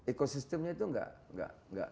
ekosistemnya itu gak